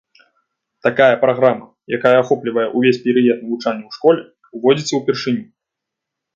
Такая праграма, якая ахоплівае ўвесь перыяд навучання ў школе, уводзіцца ўпершыню.